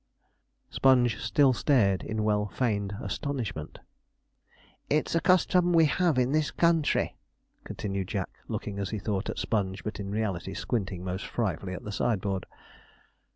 Sponge still stared in well feigned astonishment. 'It's a custom we have in this country,' continued Jack, looking, as he thought, at Sponge, but, in reality, squinting most frightfully at the sideboard.